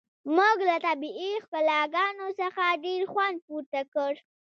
موږ له طبیعي ښکلاګانو څخه ډیر خوند پورته کړ